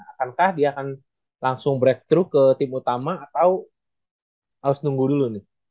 akankah dia akan langsung breakthroug ke tim utama atau harus nunggu dulu nih